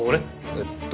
えっと。